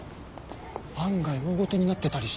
案外大ごとになってたりして。